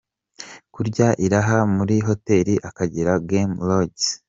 Kurya iraha muri Hotel Akagera Game Lodge